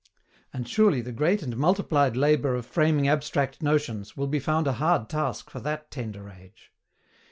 And surely the great and multiplied labour of framing abstract notions will be found a hard task for that tender age.